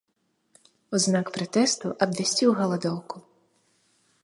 У знак пратэсту абвясціў галадоўку.